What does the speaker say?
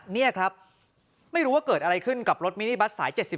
นี่ครับไม่รู้ว่าเกิดอะไรขึ้นกับรถมินิบัตรสาย๗๒